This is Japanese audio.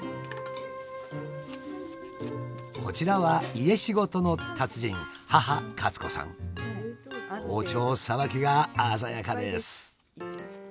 こちらは家仕事の達人包丁さばきが鮮やかです。